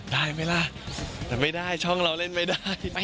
ได้ไหมล่ะแต่ไม่ได้ช่องเราเล่นไม่ได้